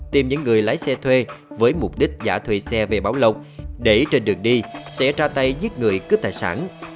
tìm những người lái xe thuê với mục đích giả thuê xe về bảo lộc để trên đường đi sẽ ra tay giết người cướp tài sản